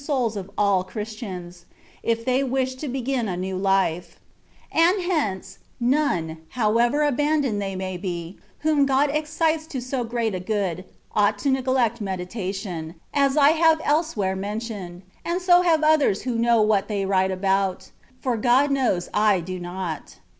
souls of all Christians, if they wish to begin a new life; and hence, none, however abandoned they may be, whom God excites to so great a good, ought to neglect meditation, as I have else where mentioned, and so have others who know what they write about, for God knows I do not.